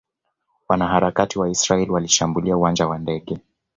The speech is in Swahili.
Wanaharakati wa Israeli walishambulia uwanja wa ndege